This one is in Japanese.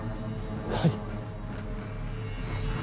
はい。